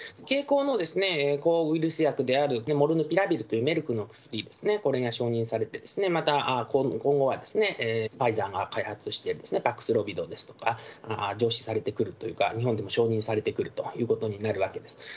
経口の抗ウイルス薬であるモルヌピラビルというメルクの薬ですね、これが承認されて、また今後はファイザーが開発しているパクスロビドですとか、日本でも承認されてくるということになるわけです。